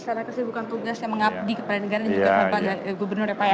karena kesibukan tugas yang mengabdi kepala negara juga sebagai gubernur ya pak ya